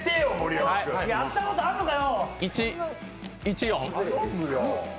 やったことあんのかよ！